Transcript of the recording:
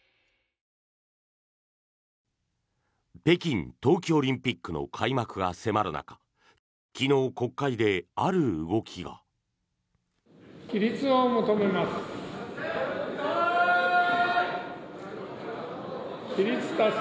北京冬季オリンピックの開幕が迫る中昨日、国会である動きが。